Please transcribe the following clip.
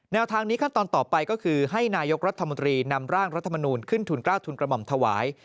แนวทางนี้ขั้นตอนต่อไปก็คือให้นายกรัฐมนตรีนำร่างรัฐมนูลขึ้นทุนกล้าวทุนกระหม่อมถวาย